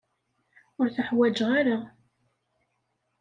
Ur tuḥwaǧeɣ ara.